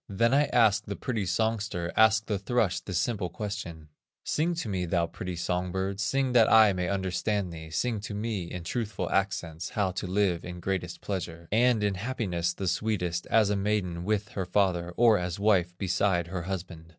"Then I asked the pretty songster, Asked the thrush this simple question: 'Sing to me, thou pretty song bird, Sing that I may understand thee, Sing to me in truthful accents, How to live in greatest pleasure, And in happiness the sweetest, As a maiden with her father, Or as wife beside her husband.